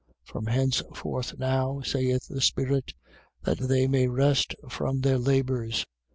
From henceforth now, saith the Spirit, that they may rest from their labours.